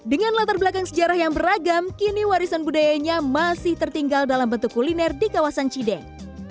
dengan latar belakang sejarah yang beragam kini warisan budayanya masih tertinggal dalam bentuk kuliner di kawasan cideng